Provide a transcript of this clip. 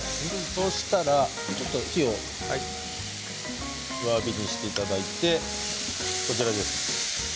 そうしたらちょっと火を弱火にしていただいてこちらです。